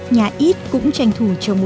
nhà ít cũng tranh thủ trồng